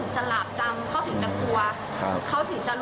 ว่าทำแบบไหนเขาถึงจะหลาบจำเขาถึงจะกลัว